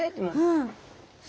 うん。